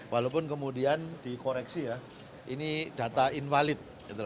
walaupun kemudian dikoreksi ya ini data invalid